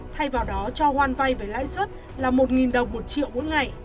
thay vào đó cho hoan vay với lãi suất là một đồng một triệu mỗi ngày